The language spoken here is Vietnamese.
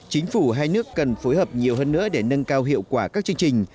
chính phủ hai nước cần phối hợp nhiều hơn nữa để nâng cao hiệu quả các chương trình